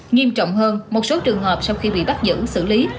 nghiêm trọng hơn một số trường hợp sau khi bị bắt giữ xử lý